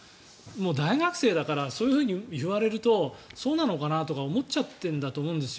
大学生だからそう言われるとそうなのかなとか思っちゃっているんだと思うんです。